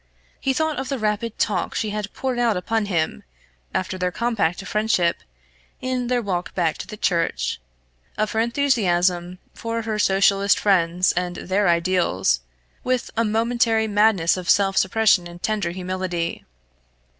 He thought of the rapid talk she had poured out upon him, after their compact of friendship, in their walk back to the church, of her enthusiasm for her Socialist friends and their ideals, with a momentary madness of self suppression and tender humility.